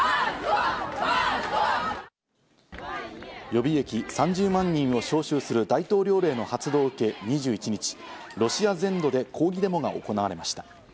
予備役３０万人を招集する大統領令の発動を受け２１日、ロシア全土で抗議デモが行われました。